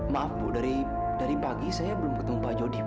maaf bu dari pagi saya belum ketemu pak jody bu